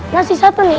ngasih satu nih